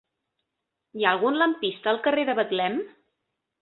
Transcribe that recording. Hi ha algun lampista al carrer de Betlem?